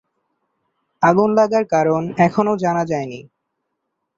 আগুন লাগার কারণ এখনো জানা যায়নি।